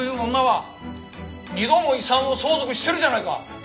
二度も遺産を相続してるじゃないか。